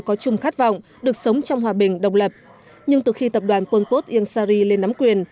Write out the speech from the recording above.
có chung khát vọng được sống trong hòa bình độc lập nhưng từ khi tập đoàn pol pot iang sari lên nắm quyền